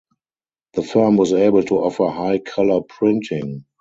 The firm was able to offer high colour printing.